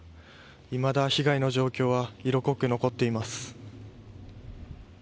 いまだ被害の状況が色濃く残っています。